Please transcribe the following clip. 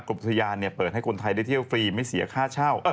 อุทยานเปิดให้คนไทยได้เที่ยวฟรีไม่เสียค่าเช่า